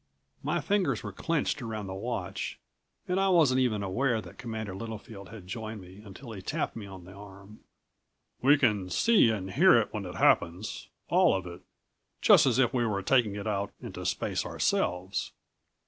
My fingers were clenched around the watch and I wasn't even aware that Commander Littlefield had joined me until he tapped me on the arm. "We can see and hear it when it happens all of it, just as if we were taking it out into space ourselves.